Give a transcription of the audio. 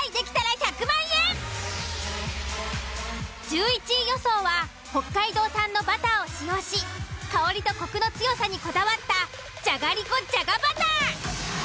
１１位予想は北海道産のバターを使用し香りとコクの強さにこだわったじゃがりこじゃがバター。